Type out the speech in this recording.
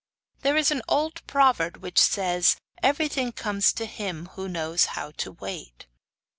There is an old proverb which says: 'Everything comes to him who knows how to wait.